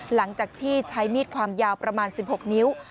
หลังจากที่ใช้มีดความยาวประมาณ๑๖นิ้ว